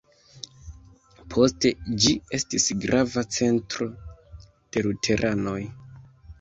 Poste ĝi estis grava centro de luteranoj.